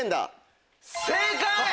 正解！